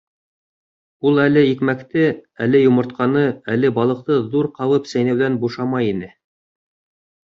Ул әле икмәкте, әле йомортҡаны, әле балыҡты ҙур ҡабып сәйнәүҙән бушамай ине.